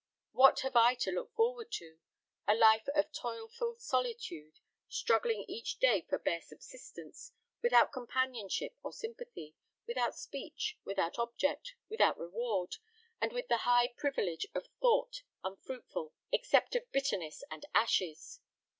What have I to look forward to? a life of toilful solitude, struggling each day for bare subsistence, without companionship or sympathy, without speech, without object, without reward, and with the high privilege of thought unfruitful except of bitterness and ashes.